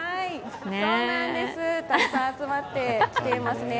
そうなんです、たくさん集まってきていますね。